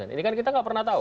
ini kan kita nggak pernah tahu